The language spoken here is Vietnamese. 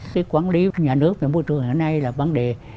cái quản lý nhà nước về môi trường hiện nay là vấn đề